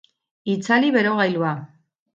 Itzali berogailua